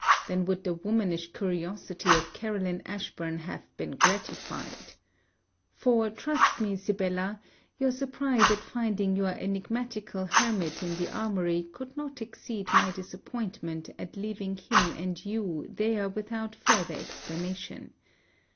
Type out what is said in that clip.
Then would the womanish curiosity of Caroline Ashburn have been gratified. For, trust me, Sibella, your surprise at finding your enigmatical hermit in the Armoury could not exceed my disappointment at leaving him and you there without further explanation.